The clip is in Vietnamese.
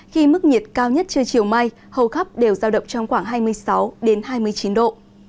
khi mức nhiệt cao nhất trưa chiều mai hầu khắp đều giao động trong khoảng hai mươi sáu hai mươi chín độ